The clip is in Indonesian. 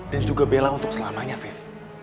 dan juga bella untuk selamanya viv